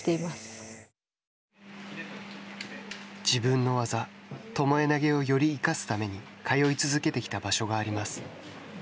自分の技、巴投げをより生かすために通い続けてきた場所があります。